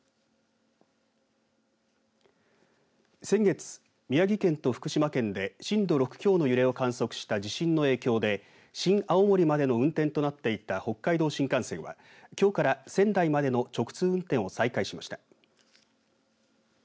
先月、宮城県と福島県で震度６強の揺れを観測した地震の影響で新青森までの運転となっていた北海道新幹線はきょうから仙台までの直通運転を再開しました。